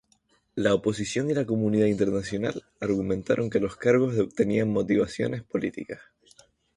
La oposición y la comunidad internacional argumentaron que los cargos tenían motivaciones políticas.